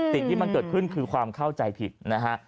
สิ่งที่มันเกิดขึ้นคือความเข้าใจผิดนะฮะ